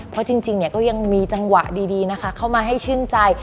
เพราะจริงเนี่ยก็ยังมีจังหวะดีนะคะเข้ามาให้ชื่นใจ